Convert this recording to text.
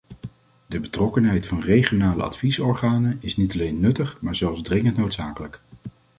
De betrokkenheid van regionale adviesorganen is niet alleen nuttig, maar zelfs dringend noodzakelijk.